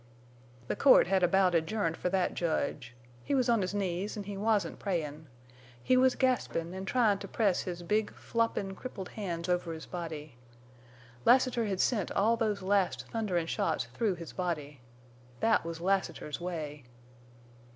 "The court had about adjourned fer thet judge. He was on his knees, en' he wasn't prayin'. He was gaspin' an' tryin' to press his big, floppin', crippled hands over his body. Lassiter had sent all those last thunderin' shots through his body. Thet was Lassiter's way.